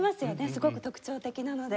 すごく特徴的なので。